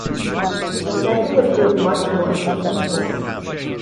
The second would prove much more successful.